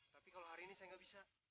tapi kalau hari ini saya nggak bisa